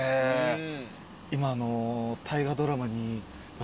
今。